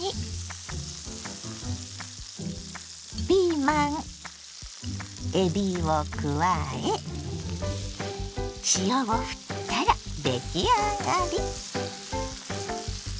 ピーマンえびを加え塩をふったら出来上がり。